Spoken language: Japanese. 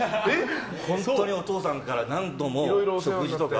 本当にお父さんから何度も食事とか。